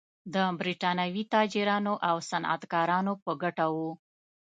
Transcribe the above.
د برېټانوي تاجرانو او صنعتکارانو په ګټه و.